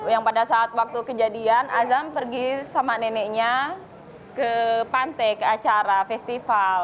yang pada saat waktu kejadian azam pergi sama neneknya ke pantai ke acara festival